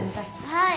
はい。